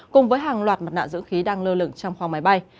cùng với hàng loạt mặt nạ giữ khí đang lơ lửng trong khoang máy bay